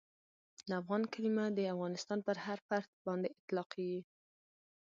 د افغان کلیمه د افغانستان پر هر فرد باندي اطلاقیږي.